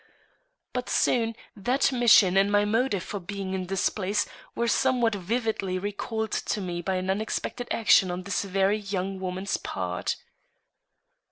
But soon that mission and my motive for being in this place were somewhat vividly recalled to me by an unexpected action on this very young woman's part.